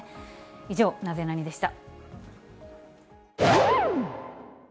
以上、ナゼナニっ？でした。